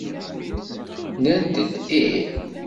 Nnant-d ih.